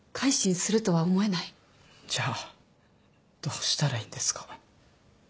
じゃあどうしたらいいんですか？